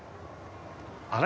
あれ？